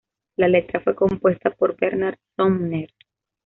La letra fue compuesta por Bernard Sumner.